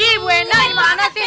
ibu hendang gimana sih